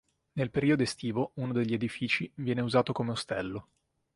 Nel periodo estivo uno degli edifici viene usato come ostello.